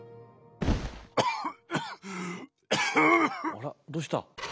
あらどうした？